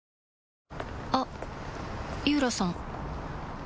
あっ井浦さん